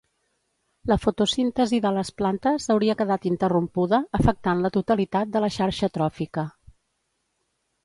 La fotosíntesi de les plantes hauria quedat interrompuda, afectant la totalitat de la xarxa tròfica.